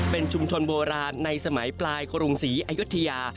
เป็นชุมชนโบราณในสมัยปลายกรุงศรีอายุทยา